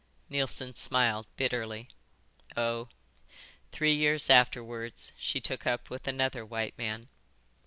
Neilson smiled bitterly. "Oh, three years afterwards she took up with another white man."